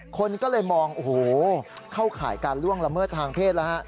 คนก็เลยมองโอ้โหเข้าข่ายการล่วงละเมิดทางเพศแล้วฮะ